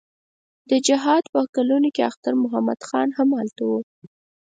د جهاد په کلونو کې اختر محمد خان هم هلته و.